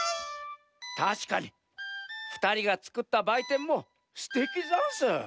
たしかにふたりがつくったばいてんもすてきざんす。